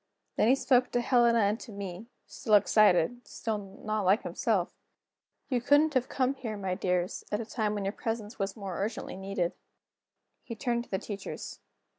Then he spoke to Helena and to me, still excited, still not like himself: "You couldn't have come here, my dears, at a time when your presence was more urgently needed." He turned to the teachers.